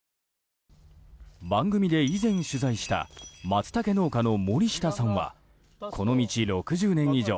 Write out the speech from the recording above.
番組で以前取材したマツタケ農家の森下さんはこの道６０年以上。